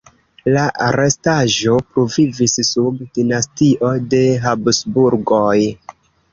La restaĵo pluvivis sub dinastio de Habsburgoj.